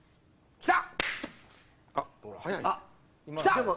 きた！